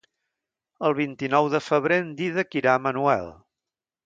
El vint-i-nou de febrer en Dídac irà a Manuel.